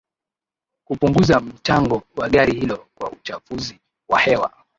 Kupunguza mchango wa gari hilo kwa uchafuzi wa hewa